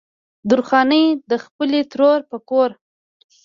درخانۍ د خپلې ترور په کور